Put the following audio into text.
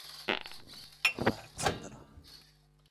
رفعت صدرها.